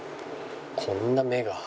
こんな目が。